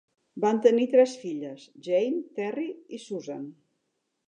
Van tenir tres filles: Jane, Terry i Susan.